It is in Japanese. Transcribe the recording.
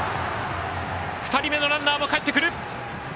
２人目のランナーもかえってくる。